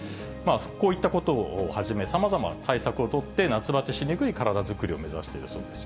こういったことをはじめ、さまざまな、対策を取って、夏ばてしにくい体づくりを目指しているそうです。